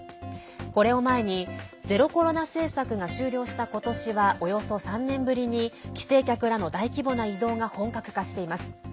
これを前にゼロコロナ政策が終了した今年はおよそ３年ぶりに帰省客らの大規模な移動が本格化しています。